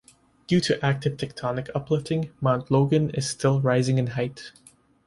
Due to active tectonic uplifting, Mount Logan is still rising in height.